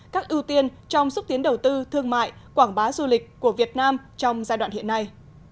các ưu tiên trong xúc tiến đầu tư thương mại quảng bá du lịch của việt nam trong giai đoạn hiện nay